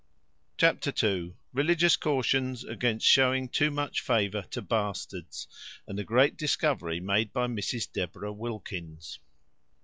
Chapter ii. Religious cautions against showing too much favour to bastards; and a great discovery made by Mrs Deborah Wilkins.